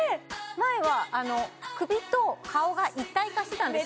前は首と顔が一体化してたんです